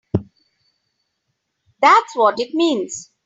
That's what it means!